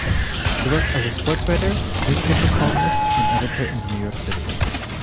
He worked as a sportswriter, newspaper columnist, and editor in New York City.